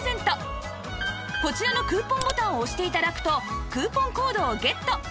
こちらのクーポンボタンを押して頂くとクーポンコードをゲット